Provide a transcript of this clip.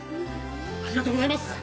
ありがとうございます。